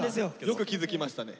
よく気付きましたね。